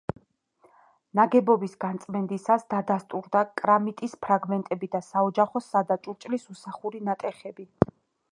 ნაგებობის გაწმენდისას დადასტურდა კრამიტის ფრაგმენტები და საოჯახო, სადა ჭურჭლის უსახური ნატეხები.